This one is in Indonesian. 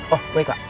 oh baik pak